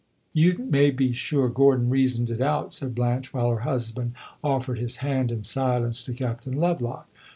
"You may be sure Gordon reasoned it out," said Blanche, while her husband offered his hand in silence to Captain Lovelock.